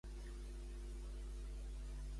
Estava viva la vella?